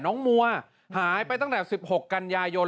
น้องมัวหายไปตั้งแต่ตรง๑๖กันยายน